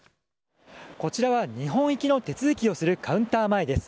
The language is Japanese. こちらは日本行きの手続きをするカウンター前です。